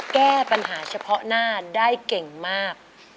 แก้ปัญหาเฉพาะหน้าได้เก่งมาก